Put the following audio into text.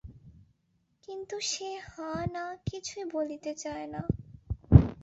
কিন্তু সে হাঁ-না কিছুই বলিতে চায় না।